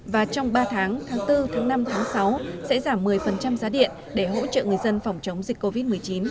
và trong ba tháng tháng bốn tháng năm tháng sáu sẽ giảm một mươi giá điện để hỗ trợ người dân phòng chống dịch covid một mươi chín